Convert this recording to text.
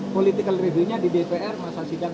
political review nya di bpr masasidang